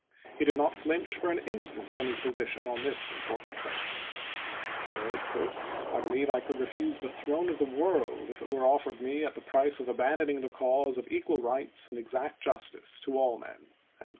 He did not flinch for an instant from his position on this important question. He said: "I believe I could refuse the throne of the world if it were offered me at the price of abandoning the cause of equal rights and exact justice to all men."